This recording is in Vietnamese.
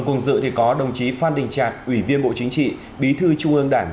cùng dự thì có đồng chí phan đình trạc ủy viên bộ chính trị bí thư trung ương đảng